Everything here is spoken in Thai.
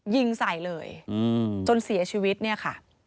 ยิงใส่เลยจนเสียชีวิตเนี่ยค่ะ